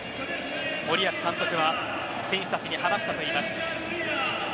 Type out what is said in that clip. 森保監督は選手たちに話したといいます。